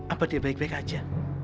apa dia baik baik aja